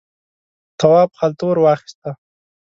تواب خلته ور واخیسته.